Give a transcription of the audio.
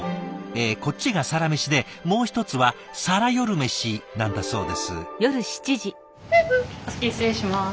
えこっちがサラメシでもう一つはサラ夜メシなんだそうです。